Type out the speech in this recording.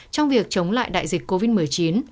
trong việc chống lại đại dịch covid một mươi chín